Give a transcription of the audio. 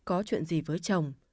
có chuyện gì với chồng